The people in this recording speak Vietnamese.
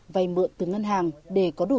vài mượn từ ngân hàng để có đủ